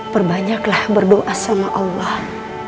perbanyaklah berdoa sama allah